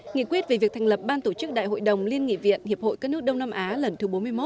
nghị quyết về việc thành lập ban tổ chức đại hội đồng liên nghị viện hiệp hội các nước đông nam á lần thứ bốn mươi một